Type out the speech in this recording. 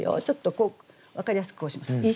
ちょっとこう分かりやすくこうします。